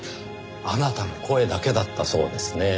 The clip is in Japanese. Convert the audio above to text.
あなたの声だけだったそうですね。